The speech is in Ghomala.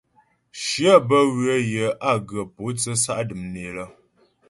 Shyə bə́ ywə̌ yə á ghə pǒtsə sa' dəm né lə.